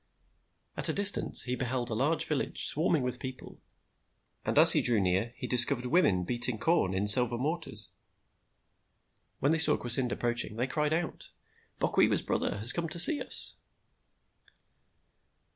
At a distance he beheld a large village, swarming with people, and as he drew near he discovered women beating corn in silver mortars. When they saw Kwasynd approaching, they cried out: "Bokwewa's brother has come to see us."